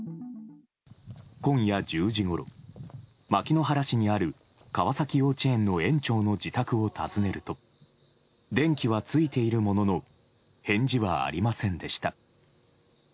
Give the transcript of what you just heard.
今夜１０時ごろ牧之原市にある川崎幼稚園の園長の自宅を訪ねると電気はついているものの返事はありませんでした。